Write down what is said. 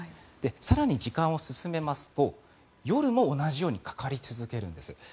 更に時間を進めますと夜も同じようにかかり続けるんです。